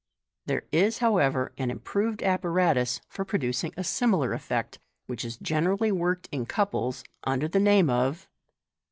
There is, however, an improved apparatus for producing a similar effect, which is generally worked in couples, under the name of Fig.